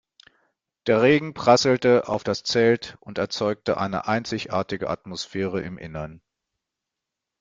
Der Regen prasselte auf das Zelt und erzeugte eine einzigartige Atmosphäre im Innern.